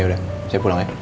ya udah saya pulang ya